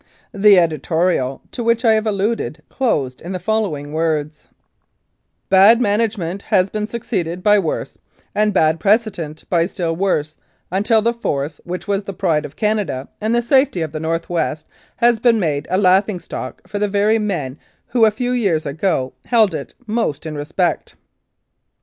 The editorial to which I have alluded closed in the following words :" Bad management has been succeeded by worse, and bad precedent by still worse, until the Force, which was the pride of Canada and the safety of the North West, has been made a laughing stock for the very men who a few years ago held it most in respect."